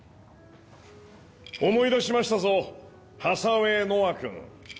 ・思い出しましたぞハサウェイ・ノア君。